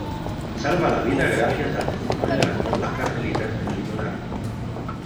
Salva la vida gracias al testimonio de las monjas carmelitas del Limonar.